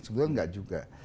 sebenarnya enggak juga